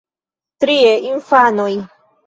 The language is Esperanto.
Trie, infanoj.